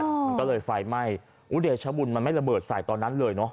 งั่นก็เลยไฟไม้อุทหารชะวุณมันไม่ระเบิดสายตอนนั้นเลยเนอะ